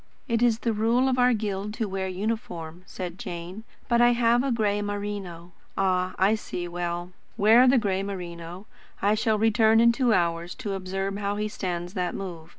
"It is the rule of our guild to wear uniform," said Jane; "but I have a grey merino." "Ah, I see. Well, wear the grey merino. I shall return in two hours to observe how he stands that move.